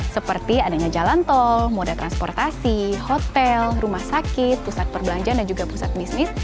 seperti adanya jalan tol moda transportasi hotel rumah sakit pusat perbelanjaan dan juga pusat bisnis